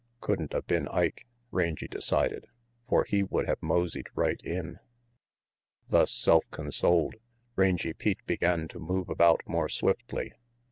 "Couldn't a been Ike," Rangy decided, "for he would have moseyed right in." Thus self consoled, Rangy Pete began to move about more swiftly.